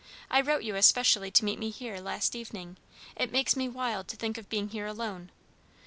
I wrote you especially to meet me here last evening; it makes me wild to think of being here alone.